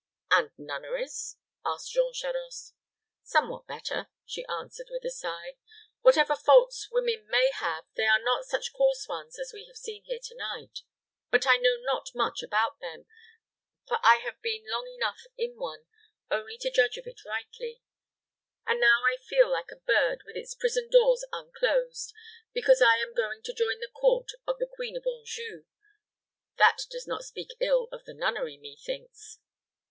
"And nunneries?" asked Jean Charost. "Somewhat better," she answered, with a sigh. "Whatever faults women may have, they are not such coarse ones as we have seen here to night; but I know not much about them, for I have been long enough in one only to judge of it rightly; and now I feel like a bird with its prison doors unclosed, because I am going to join the court of the Queen of Anjou: that does not speak ill of the nunnery, methinks.